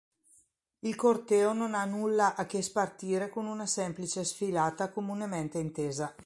Il corteo non ha nulla a che spartire con una semplice sfilata comunemente intesa.